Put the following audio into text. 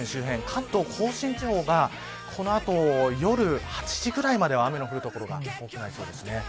関東甲信地方がこの後、夜８時ぐらいまでは雨の降る所が多くなりそうですね。